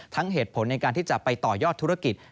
เหตุผลในการที่จะไปต่อยอดธุรกิจ